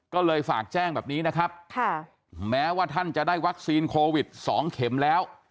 ก็เลยฝากแจ้งแบบนี้นะครับแม้ว่าท่านจะได้วัคซีนโควิด๒เข็มแล้ว